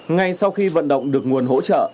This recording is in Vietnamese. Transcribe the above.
ngay sau khi vận động được nguồn hỗ trợ